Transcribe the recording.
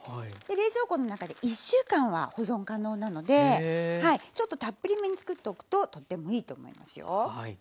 冷蔵庫の中で１週間は保存可能なのでちょっとたっぷりめに作っておくととってもいいと思いますよ。